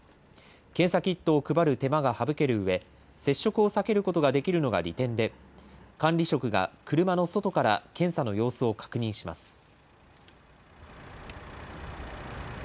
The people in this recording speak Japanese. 検査キットを配る手間が省けるうえ、接触を避けることができるのが利点で、管理職が車の外から検査の様子を確認します。